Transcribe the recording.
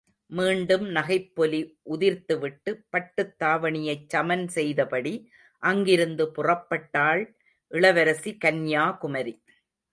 மீண்டும் நகைப்பொலி உதிர்த்துவிட்டு, பட்டுத் தாவணியைச் சமன் செய்தபடி அங்கிருந்து புறப்பட்டாள் இளவரசி கன்யாகுமரி!